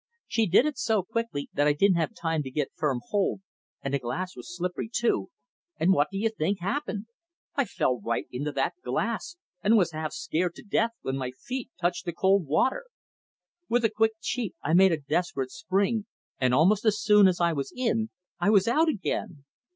She did it so quickly that I didn't have time to get firm hold, and the glass was slippery, too, and what do you think happened? I fell right into that glass, and was half scared to death when my feet touched the cold water. With a quick "cheep" I made a desperate spring, and almost as soon as I was in I was out again.